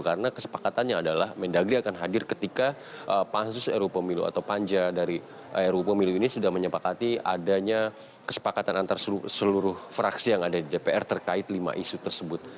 karena kesepakatannya adalah mendagri akan hadir ketika pansus ruu pemilu atau panja dari ruu pemilu ini sudah menyepakati adanya kesepakatan antara seluruh fraksi yang ada di dpr terkait lima isu tersebut